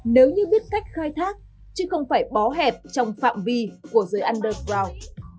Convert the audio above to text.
nếu như biết cách khai thác chứ không phải bó hẹp trong phạm vi của dưới underground